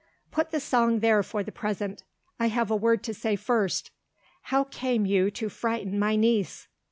"Put the song there for the present. I have a word to say first. How came you to frighten my niece?